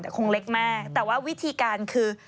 แต่คงเล็กมากแต่ว่าวิธีการคือ